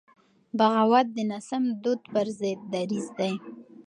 بغاوت د ناسم دود پر ضد دریځ دی.